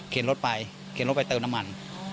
รถไปเข็นรถไปเติมน้ำมัน